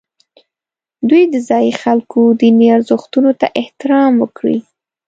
دوی د ځایي خلکو دیني ارزښتونو ته احترام وکړي.